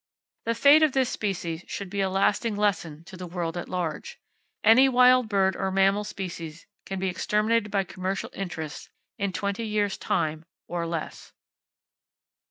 The fate of this species should be a lasting lesson to the world at large. Any wild bird or mammal species can be exterminated by commercial interests in twenty years time, or less.